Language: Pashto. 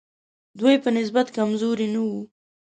دوی په نسبت کمزوري نه وو.